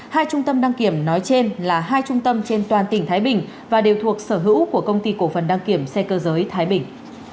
hai trung tâm đăng kiểm nói trên là hai trung tâm trên toàn tỉnh thái bình và đều thuộc sở hữu của công ty cổ phần đăng kiểm xe cơ giới thái bình